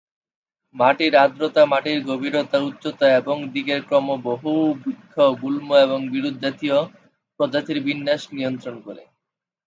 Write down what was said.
মাটির আর্দ্রতা, মাটির গভীরতা, উচ্চতা এবং দিকের ক্রম বহু বৃক্ষ, গুল্ম এবং বিরুৎজাতীয় প্রজাতির বিন্যাস নিয়ন্ত্রণ করে।